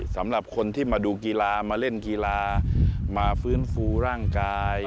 สำหรับคนที่มาดูกีฬามาเล่นกีฬามาฟื้นฟูร่างกาย